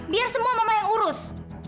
biar semua mama yang urus